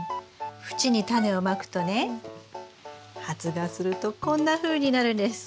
縁にタネをまくとね発芽するとこんなふうになるんです。